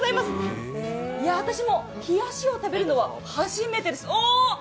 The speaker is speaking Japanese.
私も冷やしを食べるのは初めてです。